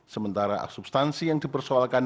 sementara substansi yang dipersoalkan